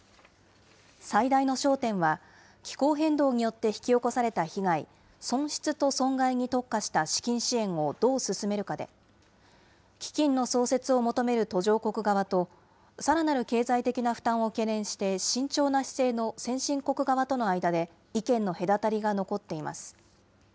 最大の焦点は、気候変動によって引き起こされた被害、損失と損害に特化した資金支援をどう進めるかで、基金の創設を求める途上国側とさらなる経済的な負担を懸念して慎重な姿勢の先進国側との間で意見の隔たりが残っています。